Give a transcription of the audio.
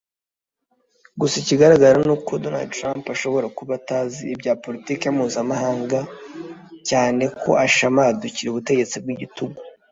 Gusa ikigaragara ni uko Donald Trump ashobora kuba atazi ibya Politiki mpuzamahanga cyane ko ashamadukira ubutegetsi bw’igitugu